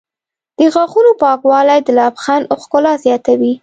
د غاښونو پاکوالی د لبخند ښکلا زیاتوي.